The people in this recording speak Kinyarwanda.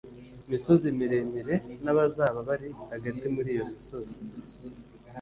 Misozi miremire n abazaba bari hagati muri iyo misozi